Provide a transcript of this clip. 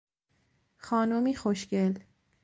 خانمی خوشگل